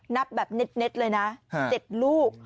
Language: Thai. นับแบบเน็ตเลยนะ๗ลูก